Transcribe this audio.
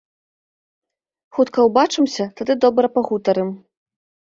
Хутка ўбачымся, тады добра пагутарым.